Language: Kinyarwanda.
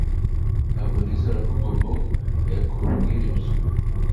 Ntabwo nizera ko Bobo yakubwira ibyo